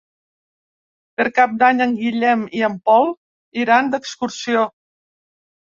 Per Cap d'Any en Guillem i en Pol iran d'excursió.